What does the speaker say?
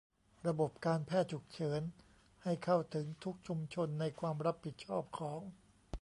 ระบบการแพทย์ฉุกเฉินให้เข้าถึงทุกชุมชนในความรับผิดชอบของ